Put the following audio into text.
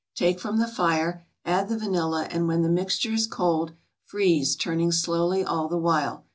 Take from the fire, add the vanilla, and when the mixture is cold, freeze, turning slowly all the while.